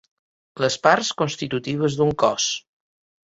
Les parts constitutives d'un cos.